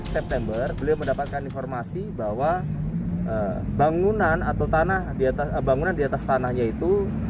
september beliau mendapatkan informasi bahwa bangunan atau tanah bangunan di atas tanahnya itu